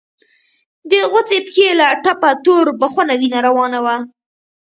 د غوڅې پښې له ټپه تور بخونه وينه روانه وه.